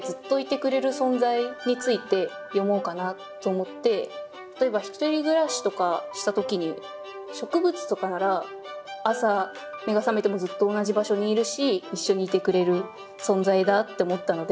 さっきの歌の例えば１人暮らしとかした時に植物とかなら朝目が覚めてもずっと同じ場所にいるし一緒にいてくれる存在だって思ったので。